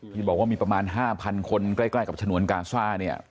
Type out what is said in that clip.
ที่บอกว่ามีประมาณ๕๐๐คนใกล้กับฉนวนกาซ่าเนี่ย